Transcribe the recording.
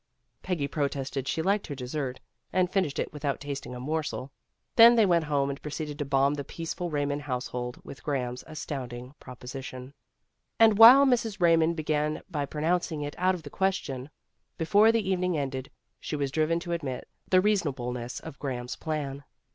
Peggy protested she liked her desert, and finished it without tasting a morsel. Then they went home and proceeded to bomb the peaceful Raymond household with Graham's astound ing proposition. And while Mrs. Raymond began by pronouncing it out of the question, be fore the evening ended she was driven to admit the reasonableness of Graham's plan.